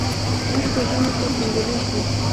موږ په ژمي کې صندلی ږدو.